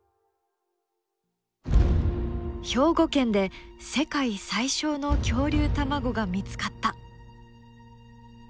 兵庫県で世界最小の恐竜卵が見つかった！